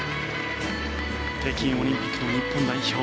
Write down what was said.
北京オリンピックの日本代表。